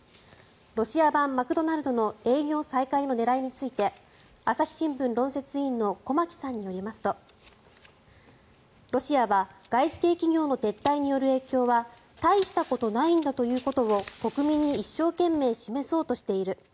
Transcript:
ロシア版マクドナルドの営業再開の狙いについて朝日新聞論説委員の駒木さんによりますとロシアは外資系企業の撤退による影響は大したことないんだということを国民に一生懸命示そうとしている。